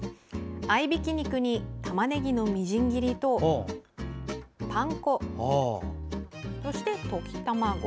合いびき肉にたまねぎのみじん切りとパン粉、溶き卵。